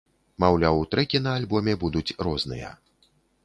Маўляў, трэкі на альбоме будуць розныя.